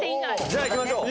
じゃあいきましょう。